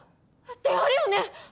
であるよね。